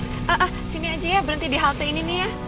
eh eh eh sini aja ya berhenti di halte ini nih ya